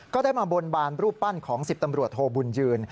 ก็ได้มาบนบานรูปปั้นของ๑๐ตำรวจโทบุญยืน